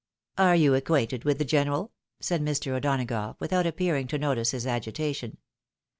" "Are you. acquainted with the general? " said Mr. O'Dona gough, without appearing to notice his agitation.